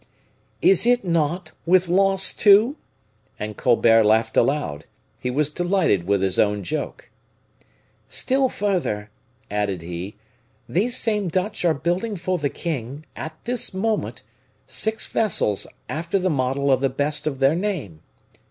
"Is it not, with loss, too?" And Colbert laughed aloud. He was delighted with his own joke. "Still further," added he, "these same Dutch are building for the king, at this moment, six vessels after the model of the best of their name.